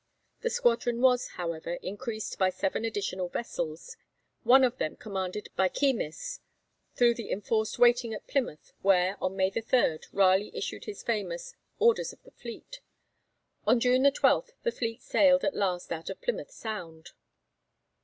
The squadron was, however, increased by seven additional vessels, one of them commanded by Keymis, through the enforced waiting at Plymouth, where, on May 3, Raleigh issued his famous Orders to the Fleet. On June 12 the fleet sailed at last out of Plymouth Sound.